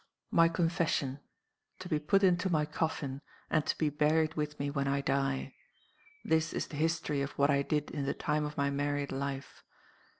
"MY Confession: To be put into my coffin; and to be buried with me when I die. "This is the history of what I did in the time of my married life.